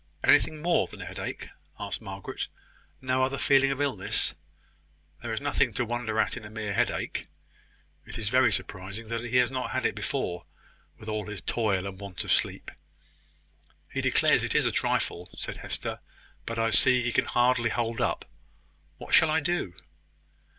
"Anything more than a headache?" asked Margaret. "No other feeling of illness? There is nothing to wonder at in a mere headache. It is very surprising that he has not had it before, with all his toil and want of sleep." "He declares it is a trifle," said Hester: "but I see he can hardly hold up. What shall I do?"